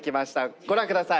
ご覧ください。